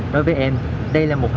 nói với em đây là một hành vi